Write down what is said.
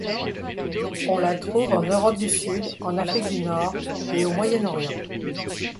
On la trouve en Europe du Sud, en Afrique du Nord et au Moyen-Orient.